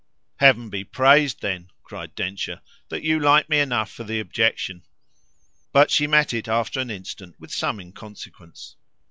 "Heaven be praised then," cried Densher, "that you like me enough for the objection!" But she met it after an instant with some inconsequence.